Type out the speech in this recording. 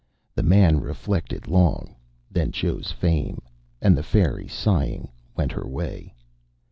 The man reflected long, then chose Fame; and the fairy, sighing, went her way.